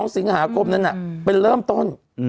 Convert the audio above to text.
๒สิงหาคมนั้นเป็นเริ่มต้น